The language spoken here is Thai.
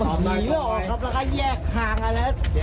สวัสดีค่ะขออนุญาตครับ